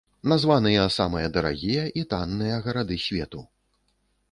Названыя самыя дарагія і танныя гарады свету.